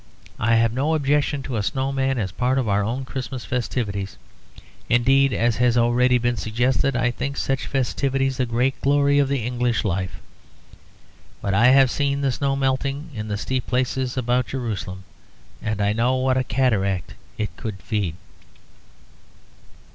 I have no objection to a snow man as a part of our own Christmas festivities; indeed, as has already been suggested, I think such festivities a great glory of English life. But I have seen the snow melting in the steep places about Jerusalem; and I know what a cataract it could feed.